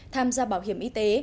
tham gia bảo hiểm y tế